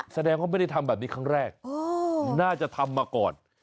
แสดงว่าไม่ได้ทำแบบนี้ครั้งแรกน่าจะทำมาก่อน